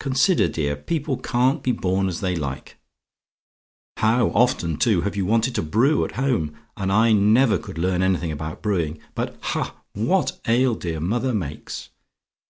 Consider, dear; people can't be born as they like. "How often, too, have you wanted to brew at home! And I never could learn anything about brewing. But, ha! what ale dear mother makes!